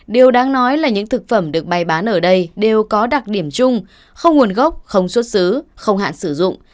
điều đáng nói là những thực phẩm được bày bán ở đây đều có đặc điểm chung không nguồn gốc không xuất xứ không hạn sử dụng